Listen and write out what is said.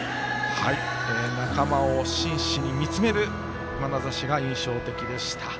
仲間を真摯に見つめる印象的でした。